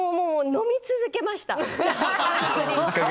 飲み続けました。